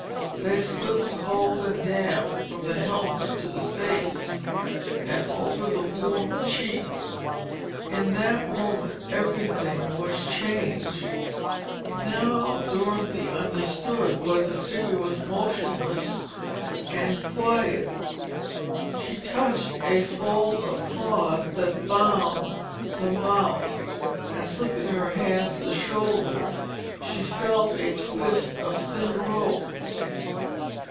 They slipped, cold and damp, from the helmet to the face and over the warm cheek. In that moment everything was changed. Now Dorothy understood why the figure was motionless and quiet. She touched a fold of cloth that bound the mouth and slipping her hand to the shoulder, she felt a twist of thin rope.